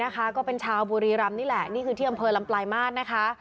ก็เป็นชาวบุรีรำนี่แหละนี่คือที่อำเภอลำปลายมาตรนะคะ